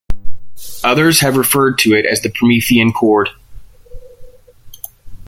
Others have referred to it as the "Promethean chord".